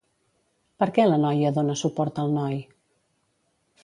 Per què la noia dona suport al noi?